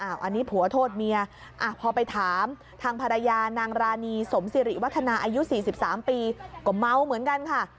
อันนี้ผัวโทษเมียพอไปถามทางภรรยานางรานีสมสิริวัฒนาอายุ๔๓ปีก็เมาเหมือนกันค่ะ